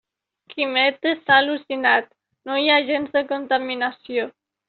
Quimet està al·lucinat: no hi ha gens de contaminació.